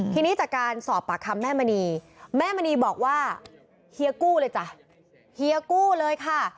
ทีนี้จากการสอบปากคำแม่มณีแม่มณีบอกว่าเฮียกู้เลยจ้ะเฮียกู้เลยค่ะ